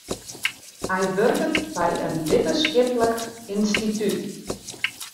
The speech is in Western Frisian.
Hy wurket by in wittenskiplik ynstitút.